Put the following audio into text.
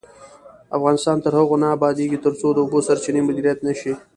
افغانستان تر هغو نه ابادیږي، ترڅو د اوبو سرچینې مدیریت نشي.